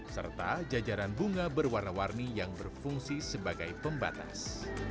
serta jajaran bunga berwarna warni yang berfungsi sebagai pembatas